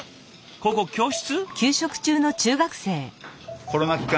ここ教室？